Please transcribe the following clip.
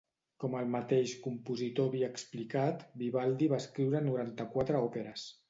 Com el mateix compositor havia explicat, Vivaldi va escriure noranta-quatre òperes.